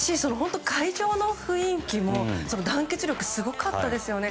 会場の雰囲気も団結力がすごかったですよね。